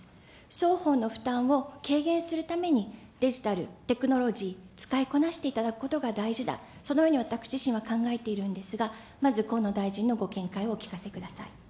双方の負担を軽減するためにデジタル、テクノロジー、使いこなしていただくことが大事だ、そのように私自身は考えているんですが、まず河野大臣のご見解をお聞かせください。